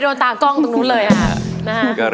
อินโทรยกที่สองของคุณซิมมาเลยครับ